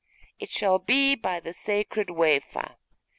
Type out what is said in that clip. It shall be by the sacred wafer.